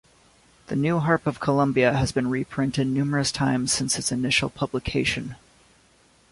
"The New Harp of Columbia" has been reprinted numerous times since its initial publication.